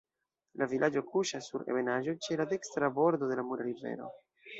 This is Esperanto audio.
La vilaĝo kuŝas sur ebenaĵo, ĉe la dekstra bordo de la Mura Rivero.